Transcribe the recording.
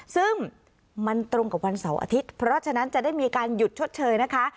ซึ่งมันตรงกับวันเสาร์อาทิตย์เพราะฉะนั้นจะได้มีการหยุดชดเชยนะคะ